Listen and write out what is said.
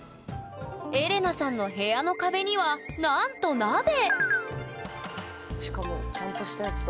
エレナさんの部屋の壁にはなんと鍋しかもちゃんとしたやつだ。